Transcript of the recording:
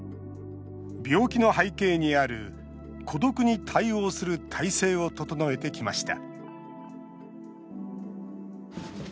病気の背景にある孤独に対応する体制を整えてきました。